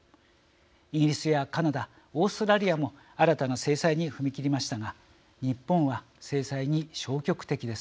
イギリスやカナダオーストラリアも新たな制裁に踏み切りましたが日本は制裁に消極的です。